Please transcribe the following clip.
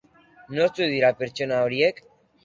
Nortzuk dira pertsona horiek?